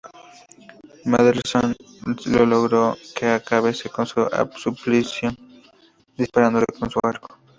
Maedhros le rogó que acabase con su suplicio disparándole con su arco.